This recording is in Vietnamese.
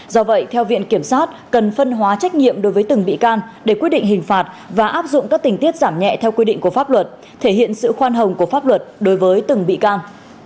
do vậy theo viện kiểm sát cần phân hóa trách nhiệm đối với từng bị can để quyết định hình phạt và áp dụng các tình tiết giảm nhẹ theo quy định của pháp luật thể hiện sự khoan hồng của pháp luật đối với từng bị can